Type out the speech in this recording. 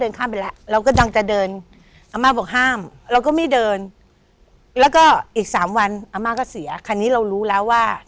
เดินข้ามไปคณิดอาม่าก็เดินข้ามไปละ